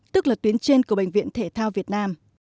tức là tuyến trên của bệnh viện thể thao việt nam